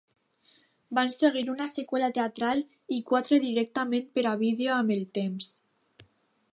Van seguir una seqüela teatral i quatre directament per a vídeo amb el temps.